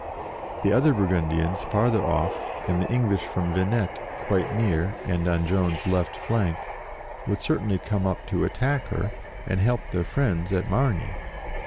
The other Burgundians, farther off, and the English from Venette, quite near, and on Joan's left flank, would certainly come up to attack her, and help their friends at Margny.